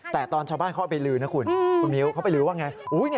แต่ตอนชาวบ้านเขาเอาไปลือนะคุณคุณมิ้วเขาไปลือว่าไง